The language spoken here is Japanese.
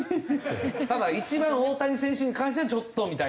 ただ１番大谷選手に関してはちょっとみたいな？